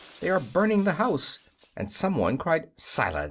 they are burning the house!" And some one cried "Silence!